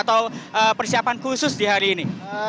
atau persiapan khusus di hari ini